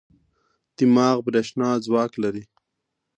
دماغ برېښنا ځواک لري.